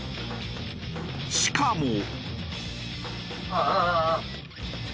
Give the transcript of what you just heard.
しかも。